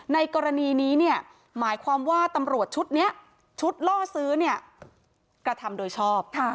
ในกรณีนี้เนี่ยหมายความว่าตำรวจชุดนี้ชุดล่อซื้อเนี่ยกระทำโดยชอบ